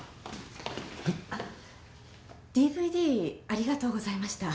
ＤＶＤありがとうございました。